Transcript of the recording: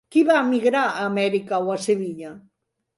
Qui va emigrar a Amèrica o a Sevilla?